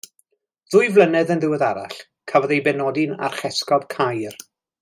Ddwy flynedd yn ddiweddarach cafodd ei benodi'r Archesgob Caer.